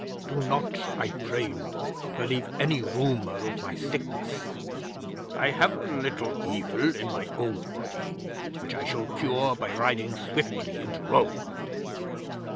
Do not, I pray you, believe any rumour of my sickness. I have a little evil in my old body which I shall cure by riding swiftly into Rome.